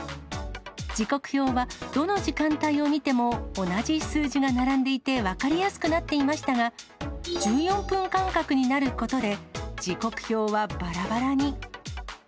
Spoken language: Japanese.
時刻表は、どの時間帯を見ても、同じ数字が並んでいて分かりやすくなっていましたが、１４分間隔になることで、時刻表はばらばらに。